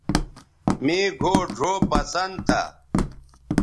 مے گھؤ ڙھؤ پسند تھا